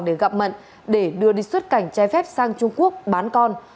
để gặp mận để đưa đi xuất cảnh trái phép sang trung quốc bán con